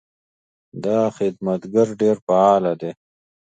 دا خدمتګر ډېر فعاله ده.